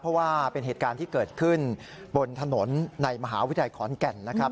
เพราะว่าเป็นเหตุการณ์ที่เกิดขึ้นบนถนนในมหาวิทยาลัยขอนแก่นนะครับ